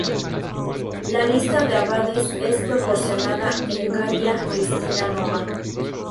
La lista de abades es proporcionada en "Gallia Christiana nova".